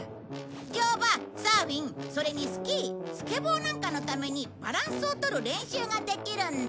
乗馬サーフィンそれにスキースケボーなんかのためにバランスを取る練習ができるんだ。